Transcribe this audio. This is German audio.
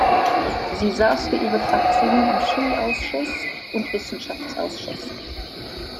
Sie saß für ihre Fraktion im Schulausschuss und Wissenschaftsausschuss.